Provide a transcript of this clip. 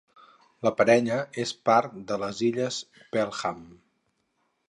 La parella és part de les Illes Pelham.